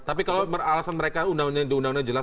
tapi kalau alasan mereka undang undangnya jelas